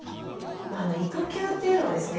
育休っていうのはですね